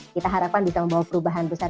kita harapkan bisa membawa perubahan besar